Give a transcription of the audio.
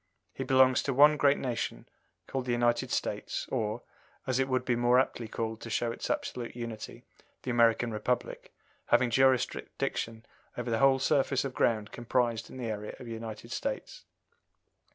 He belongs to one great nation called the United States, or, as it would be more aptly called to show its absolute unity, the American Republic, having jurisdiction over the whole surface of ground comprised in the area of the United States.